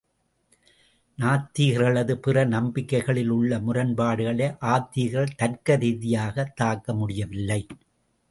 நாத்திகர்களது பிற நம்பிக்கைகளில் உள்ள முரண்பாடுகளை ஆத்திகர்கள் தர்க்க ரீதியாகத் தாக்க முடியவில்லை.